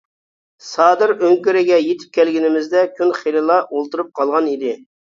سادىر ئۆڭكۈرىگە يېتىپ كەلگىنىمىزدە كۈن خېلىلا ئولتۇرۇپ قالغان ئىدى.